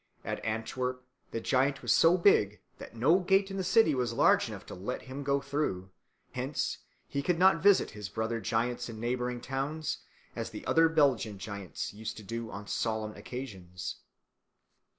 At Antwerp the giant was so big that no gate in the city was large enough to let him go through; hence he could not visit his brother giants in neighbouring towns, as the other Belgian giants used to do on solemn occasions.